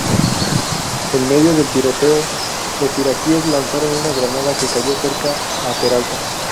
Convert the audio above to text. En medio del tiroteo, los iraquíes lanzaron una granada que cayó cerca a Peralta.